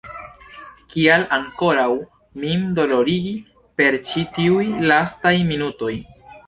Kial ankoraŭ min dolorigi per ĉi tiuj lastaj minutoj?